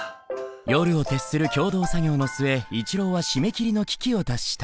夜を徹する共同作業の末一郎は締め切りの危機を脱した。